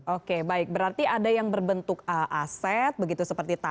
oke baik berarti ada yang berbentuk aset begitu seperti tadi